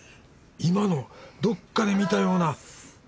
今のどっかで見たような。